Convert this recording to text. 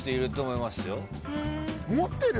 持ってる！？